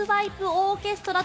オーケストラ！